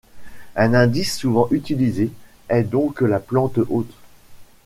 Un indice souvent utilisé est donc la plante-hôte.